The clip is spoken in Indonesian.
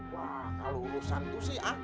wah kalau urusan itu sih